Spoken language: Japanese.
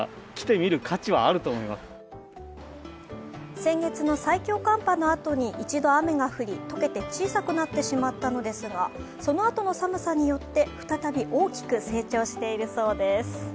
先月の最強寒波のあとに一度雨が降り解けて小さくなってしまったのですがそのあとの寒さによって再び大きく成長しているそうです。